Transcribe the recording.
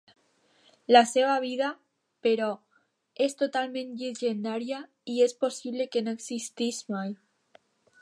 La seva vida, però, és totalment llegendària i és possible que no existís mai.